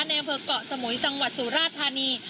ในเกาะสมุยจังหวัดสุราธารณี